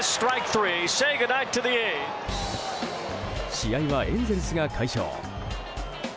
試合はエンゼルスが快勝。